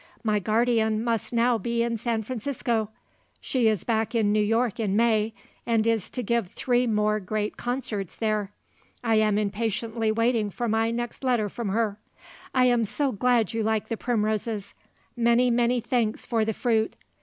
My guardian must now be in San Francisco! She is back in New York in May, and is to give three more great concerts there. I am impatiently waiting for my next letter from her. I am so glad you like the primroses. Many, many thanks for the fruit.